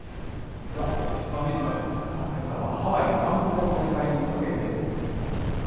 次はＢｉｚアメリカですが、けさはハワイ観光再開の影でということですが。